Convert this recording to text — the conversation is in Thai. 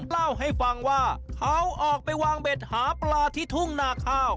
เล่าให้ฟังว่าเขาออกไปวางเบ็ดหาปลาที่ทุ่งนาข้าว